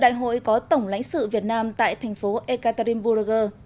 tại trụ sở tổng lãnh sự quán việt nam ở thành phố ekaterinburg liên bang nga